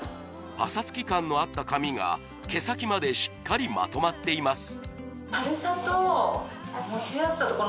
パサつき感のあった髪が毛先までしっかりまとまっています